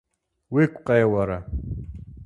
– Уигу къеуэрэ?